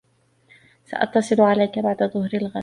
سأتصل عليك بعد ظهر الغد.